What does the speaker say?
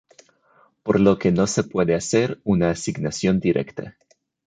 Por lo que no se puede hacer una asignación directa.